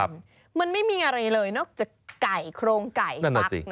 มันไม่มีอะไรเลยนอกจากไก่โครงไก่ฟัก